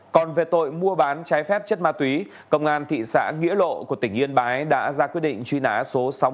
còn về tội mua bán trái phép chất ma túy công an thị xã nghĩa lộ của tỉnh yên bái đã ra quyết định truy nã số sáu mươi ba